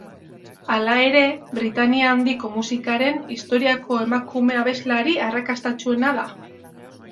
Hala ere, Britania Handiko musikaren historiako emakume abeslari arrakastatsuena da.